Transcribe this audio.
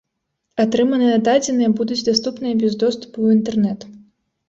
Атрыманыя дадзеныя будуць даступныя і без доступу ў інтэрнэт.